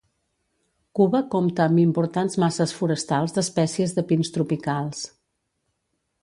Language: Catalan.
Cuba compta amb importants masses forestals d'espècies de pins tropicals.